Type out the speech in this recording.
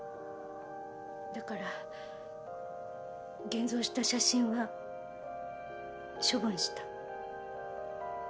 だから現像した写真は処分した。